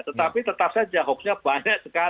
tetapi tetap saja hoaxnya banyak sekali